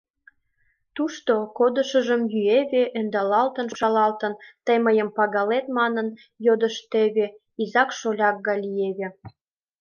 Тушто кодшыжым йӱэве, ӧндалалтын, шупшалалтын, «Тый мыйым пагалет?» манын йодыштеве, изак-шоляк гай лиеве.